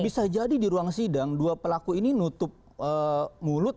bisa jadi di ruang sidang dua pelaku ini nutup mulut